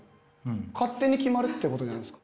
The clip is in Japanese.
勝手に決まるってことですか？